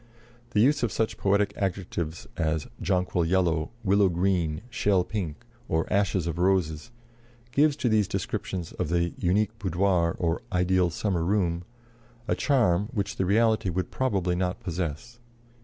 The use of such poetic adjectives as jonquil yellow, willow green, shell pink, or ashes of roses, gives to these descriptions of the "unique boudoir" or "ideal summer room" a charm which the reality would probably not possess.